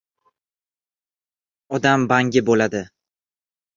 Odam bangi bo‘ladi.